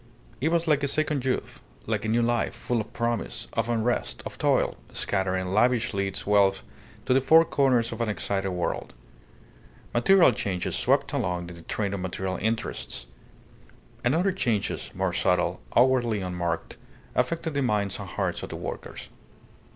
It was like a second youth, like a new life, full of promise, of unrest, of toil, scattering lavishly its wealth to the four corners of an excited world. Material changes swept along in the train of material interests. And other changes more subtle, outwardly unmarked, affected the minds and hearts of the workers.